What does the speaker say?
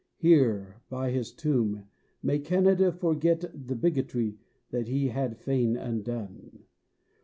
Here by his tomb may Canada forget The bigotry that he had fain undone.